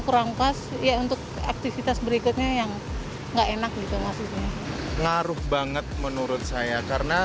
kurang pas ya untuk aktivitas berikutnya yang enggak enak gitu maksudnya ngaruh banget menurut saya karena